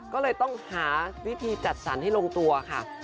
ก็เลยต้องหาวิธีจัดสรรให้ลงตัวค่ะ